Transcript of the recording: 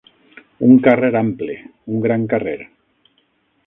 Un carrer ample, un gran carrer.